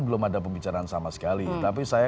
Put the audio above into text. belum ada pembicaraan sama sekali tapi saya